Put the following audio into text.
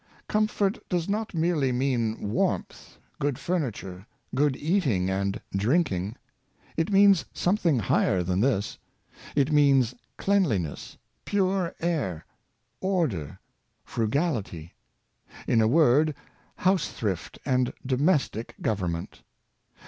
Comfort does not merely mean warmth, good furni ture, good eating and drinking. It means something higher than this. It means cleanliness, pure air, order, frugality; in a word, house thrift and domestic govern ment.